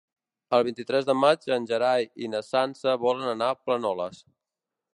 El vint-i-tres de maig en Gerai i na Sança volen anar a Planoles.